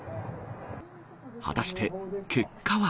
果たして結果は？